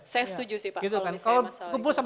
saya setuju sih pak kalau misalnya masalah itu